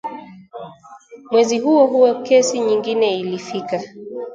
" Mwezi huo huo, kesi nyingine ilifika"